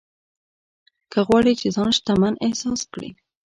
که غواړې چې ځان شتمن احساس کړې.